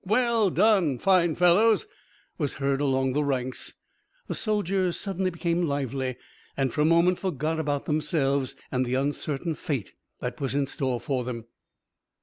Well done! Fine fellows!" ... was heard along the ranks. The soldiers suddenly became lively and for a moment forgot about themselves and the uncertain fate that was in store for them.